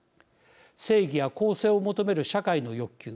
正義や公正を求める社会の欲求